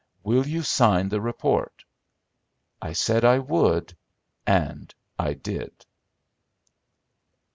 Will you sign the report?' "I said I would, and I did."